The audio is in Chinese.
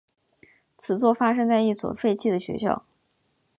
此作发生在一所废弃的学校。